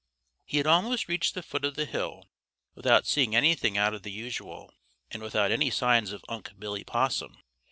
He had almost reached the foot of the hill without seeing anything out of the usual and without any signs of Unc' Billy Possum.